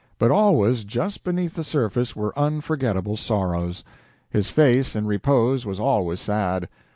But always just beneath the surface were unforgetable sorrows. His face in repose was always sad.